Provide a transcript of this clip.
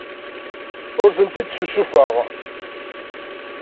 Ur tent-id-ssusufeɣ.